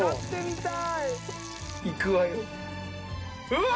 うわ！